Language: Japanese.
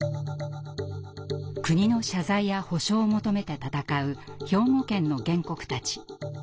国の謝罪や補償を求めて闘う兵庫県の原告たち。